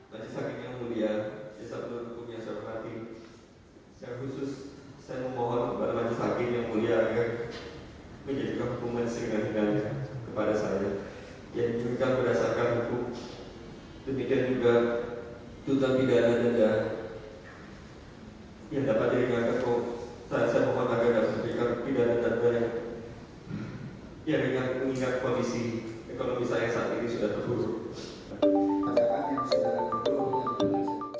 tuntutan denda yang dapat diingatkan kok saat saya memohon agar agar sedikitkan tanda tanda yang mengingat kondisi ekonomi saya saat ini sudah terpuruk